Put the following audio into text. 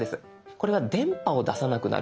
これは電波を出さなくなるんです。